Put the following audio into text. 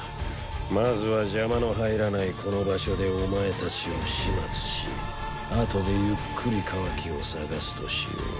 まずは邪魔の入らないこの場所でお前たちを始末しあとでゆっくりカワキを捜すとしよう。